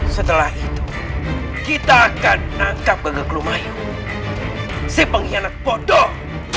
setelah itu kita akan menangkap gagal klumayu si pengkhianat bodoh